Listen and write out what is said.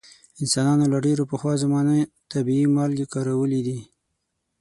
انسانانو له ډیرو پخوا زمانو طبیعي مالګې کارولې دي.